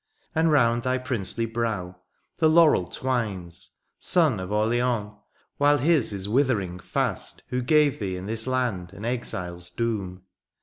And round thy princely brow the laurel twines. Son of Orleans, while his is withering fast Who gave thee in this land an exile's doom.